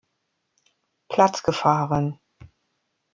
Platz gefahren.